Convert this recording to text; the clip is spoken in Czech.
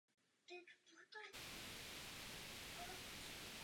Americké ztráty začaly narůstat.